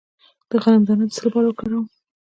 د غنم دانه د څه لپاره وکاروم؟